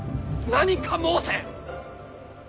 何か申せ！